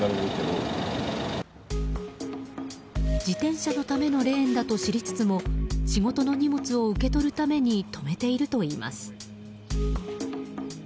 自転車のためのレーンだと知りつつも仕事の荷物を受け取るために止めているといいます。